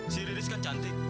si riris kan cantik